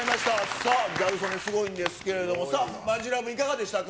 さあ、ギャル曽根すごいんですけれども、さあ、マヂラブ、いかがでしたか。